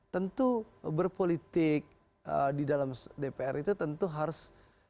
tentu berpolitik di dalam dpr itu tentu harus